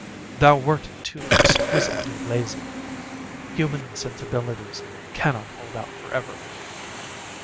Thou wert too exquisitely lazy. Human sensibilities cannot hold out forever.